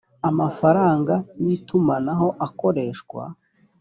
amafaranga y itumanaho akoreshwa